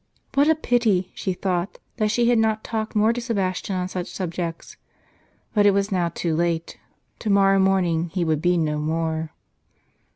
What a pity, she thought, that she had not talked more to Sebastian on such subjects! But it was now too late; to morrow morning he would be no more.